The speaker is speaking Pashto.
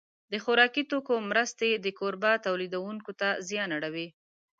د خوراکي توکو مرستې د کوربه تولیدوونکو ته زیان اړوي.